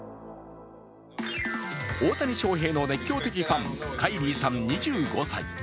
大谷翔平の熱狂的ファンカイリーさん２５歳。